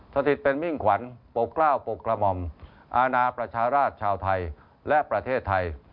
สถิตเป็นมิ่งขวัญปกกล้าวปกกระหม่อมอาณาประชาราชชาวไทยและประเทศไทย